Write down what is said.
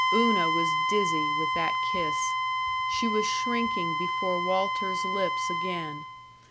Una was dizzy with that kiss. She was shrinking before Walter's lips again.